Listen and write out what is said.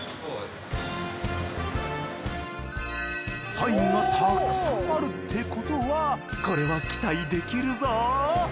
サインがたくさんあるってことはこれは期待できるぞ！